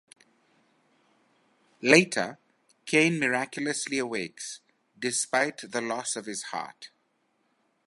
Later, Kain miraculously awakes, despite the loss of his heart.